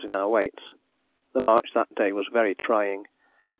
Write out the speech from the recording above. in our weights. The march that day was very trying.